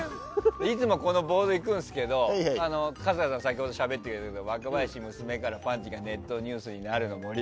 いつも、このボード行くんですけど春日さんが先ほどしゃべってくれた「若林、娘からパンチ」がネットニュースになるの森。